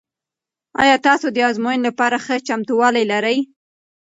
آیا تاسو د ازموینې لپاره ښه چمتووالی لرئ؟